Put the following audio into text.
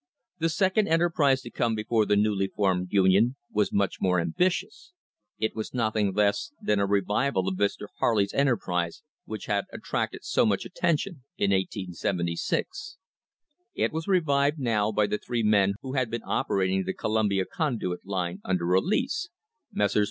The second enterprise to come before the newly formed union was much more ambitious. It was nothing less than a revival of Mr. Harley's enterprise which had attracted so much attention in 1876. It was revived now by the three men who had been operating the Columbia Conduit Line under a lease — Messrs.